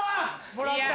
もらった！